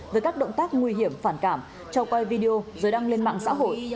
với các động tác nguy hiểm phản cảm cho quay video rồi đăng lên mạng xã hội